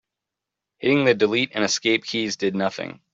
Hitting the delete and escape keys did nothing.